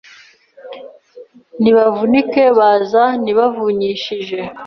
Nibavunike baza ntibavunyishije